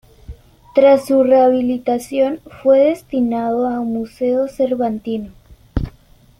Tras su rehabilitación fue destinado a Museo Cervantino.